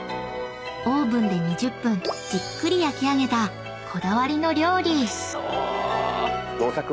［オーブンで２０分じっくり焼き上げたこだわりの料理］